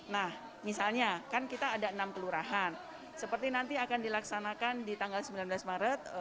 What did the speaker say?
nah misalnya kan kita ada enam kelurahan seperti nanti akan dilaksanakan di tanggal sembilan belas maret